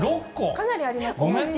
かなりありますね。